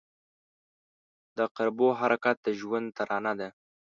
• د عقربو حرکت د ژوند ترانه ده.